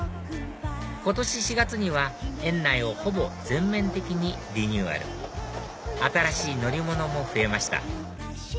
今年４月には園内をほぼ全面的にリニューアル新しい乗り物も増えました